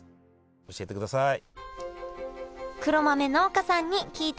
教えてください。